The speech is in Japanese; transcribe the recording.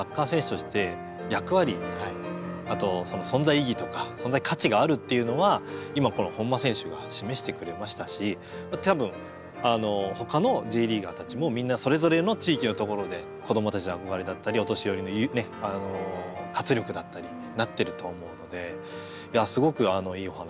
あとその存在意義とか存在価値があるっていうのは今この本間選手が示してくれましたし多分ほかのＪリーガーたちもみんなそれぞれの地域のところで子供たちの憧れだったりお年寄りの活力だったりになってると思うのでいやすごくいいお話だったなって。